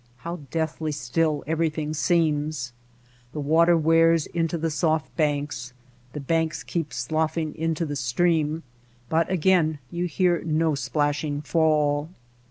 How deathly still everything seems ! The water wears into the soft banks, the banks keep sloughing into the stream, but again you hear no splashing fall.